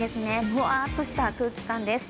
むわとした空気感です。